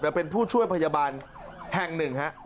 แต่เป็นผู้ช่วยพยาบาลแห่งหนึ่งครับ